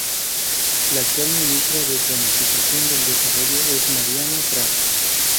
La actual Ministra de Planificación del Desarrollo es Mariana Prado.